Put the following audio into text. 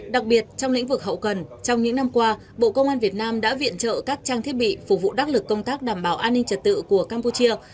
đặc biệt trong lĩnh vực hậu cần trong những năm qua bộ công an việt nam đã viện trợ các trang thiết bị phục vụ đắc lực công tác đảm bảo an ninh trật tự của campuchia